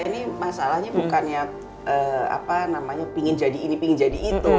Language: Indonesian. ya ini masalahnya bukannya apa namanya pengen jadi ini pengen jadi itu